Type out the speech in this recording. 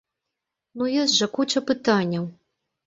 Ну, ёсць жа куча пытанняў!